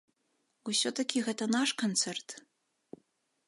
Усё-такі гэта наш канцэрт.